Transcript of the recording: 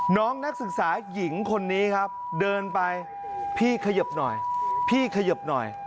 น้องนักศึกษาหญิงคนนี้ครับเดินไปพี่ขยบหน่อยพี่ขยบหน่อย